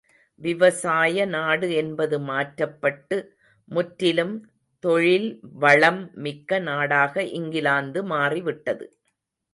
விவசாய நாடு என்பது மாற்றப்பட்டு முற்றிலும் தொழில்வளம் மிக்க நாடாக இங்கிலாந்து மாறிவிட்டது.